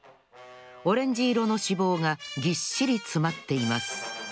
オレンジいろの脂肪がぎっしりつまっています。